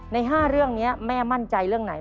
ใน๕เรื่องนี้แม่มั่นใจเรื่องไหน